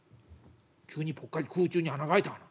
「急にぽっかり空中に穴が開いたがな。